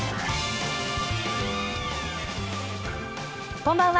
こんばんは。